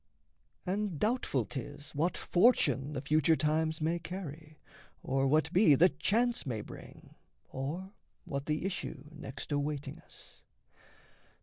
And doubtful 'tis what fortune The future times may carry, or what be That chance may bring, or what the issue next Awaiting us.